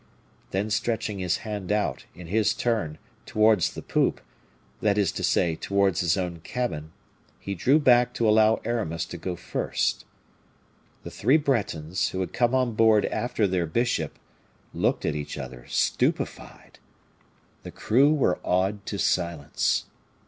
Then stretching his hand out, in his turn, towards the poop, that is to say, towards his own cabin, he drew back to allow Aramis to go first. The three Bretons, who had come on board after their bishop, looked at each other, stupefied. The crew were awed to silence.